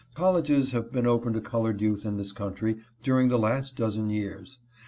Colleges have been open to colored youth in this country during the last dozen years.